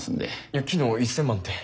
いや昨日１，０００万って。